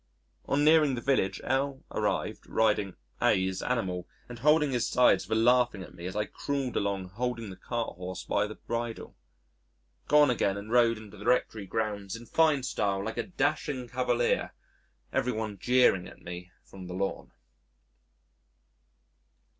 On nearing the village, L arrived, riding A 's animal and holding his sides for laughing at me as I crawled along holding the carthorse by the bridle. Got on again and rode into the Rectory grounds in fine style like a dashing cavalier, every one jeering at me from the lawn.